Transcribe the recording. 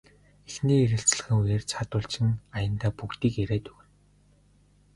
Эхний ярилцлагын үеэр цаадуул чинь аяндаа бүгдийг яриад өгнө.